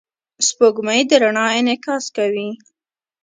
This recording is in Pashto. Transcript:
سپوږمۍ د رڼا انعکاس کوي.